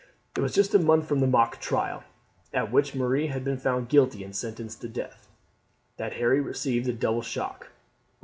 It was just a month from the mock trial, at which Marie had been found guilty and sentenced to death, that Harry received a double shock.